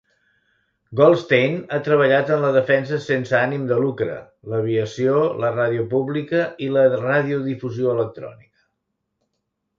Goldstein ha treballat en la defensa sense ànim de lucre, l'aviació, la ràdio pública i la radiodifusió electrònica.